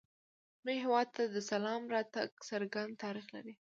زموږ هېواد ته د اسلام راتګ څرګند تاریخ لري